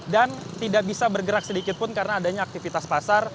dan tidak bisa bergerak sedikit pun karena adanya aktivitas pasar